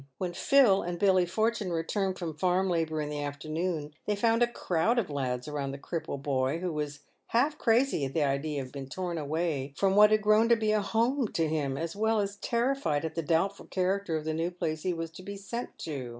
"When Phil and Billy Fortune returned from farm labour in the afternoon they found a crowd of lads round the cripple boy, who was half crazy at the idea of being torn away from what had grown to be a home to him, as well as terrified at the doubtful character of the new place he was to be sent to.